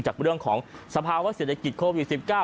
จากเรื่องของสภาวะเศรษฐกิจโควิด๑๙